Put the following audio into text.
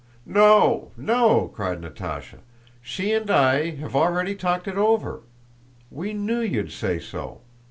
"No, no!" cried Natásha, "she and I have already talked it over. We knew you'd say so.